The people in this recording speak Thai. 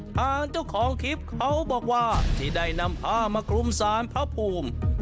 ทางเจ้าของคลิปเขาบอกว่าที่ได้นำผ้ามาคลุมสารพระภูมิ